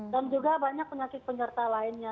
dan juga banyak penyakit penyerta lainnya